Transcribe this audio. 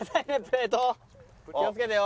気をつけてよ。